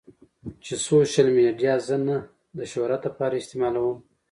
چې سوشل ميډيا زۀ نۀ د شهرت د پاره استعمالووم